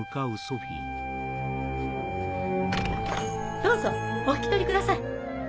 どうぞお引き取りください。